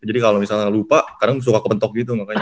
jadi kalau misalnya lupa kadang suka kepentok gitu makanya